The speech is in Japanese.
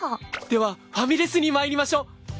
ではファミレスに参りましょう！